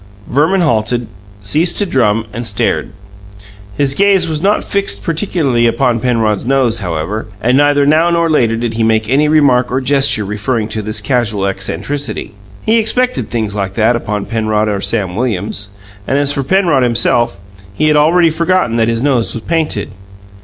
Verman halted, ceased to drum, and stared. His gaze was not fixed particularly upon Penrod's nose, however, and neither now nor later did he make any remark or gesture referring to this casual eccentricity. He expected things like that upon Penrod or Sam Williams. And as for Penrod himself, he had already forgotten that his nose was painted.